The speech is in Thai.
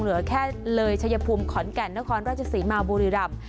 เหลือแค่เลยชัยภูมิขอนแก่นนครราชศรีมาบุรีรำ